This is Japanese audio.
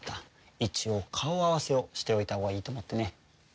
一応顔合わせをしておいたほうがいいと思ってね。